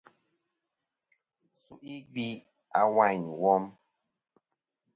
Su'i gvi a wayn wom.